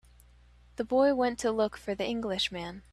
The boy went to look for the Englishman.